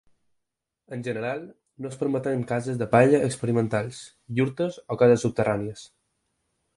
En general, no es permeten cases de palla experimentals, iurtes o cases subterrànies.